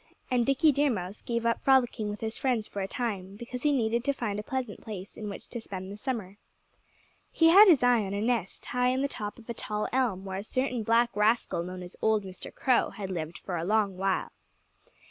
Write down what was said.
And Dickie Deer Mouse gave up frolicking with his friends for a time, because he needed to find a pleasant place in which to spend the summer. He had his eye on a nest high in the top of a tall elm, where a certain black rascal known as old Mr. Crow had lived for a long while.